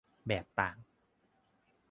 แบบต่าง